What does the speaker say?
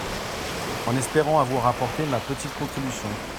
En espérant avoir apporté ma petite contribution